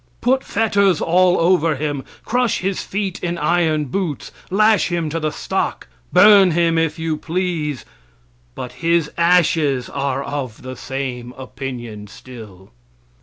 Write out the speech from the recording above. Put fetters all over him; crush his feet in iron boots; lash him to the stock; burn him if you please, but his ashes are of the same opinion still.